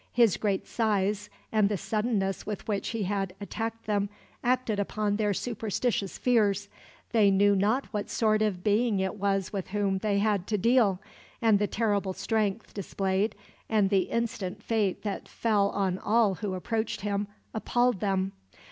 His great size, and the suddenness with which he had attacked them, acted upon their superstitious fears. They knew not what sort of being it was with whom they had to deal, and the terrible strength displayed, and the instant fate that fell on all who approached him, appalled them.